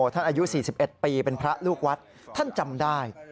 อายุ๔๑ปีเป็นพระลูกวัดท่านจำได้